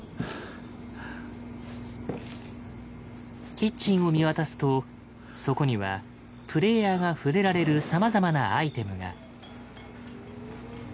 キッチンを見渡すとそこにはプレイヤーが触れられるさまざまなアイテムが。